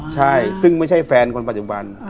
ใช่ซึ่งไม่ใช่แฟนคนปัจจุบัน